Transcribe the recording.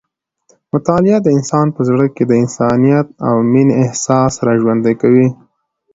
مطالعه د انسان په زړه کې د انسانیت او مینې احساس راژوندی کوي.